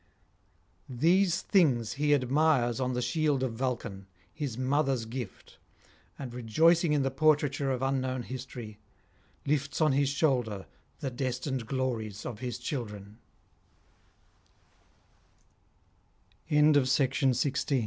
These things he admires on the shield of Vulcan, his mother's gift, and rejoicing in the portraiture of unknown history, lifts on his shoulder the destined glories of his childre